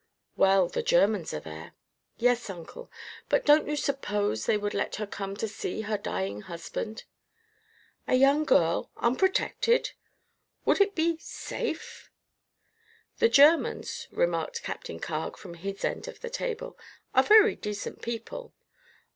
"Well; the Germans are there." "Yes, Uncle. But don't you suppose they would let her come to see her dying husband?" "A young girl, unprotected? Would it be safe?" "The Germans," remarked Captain Carg from his end of the table, "are very decent people."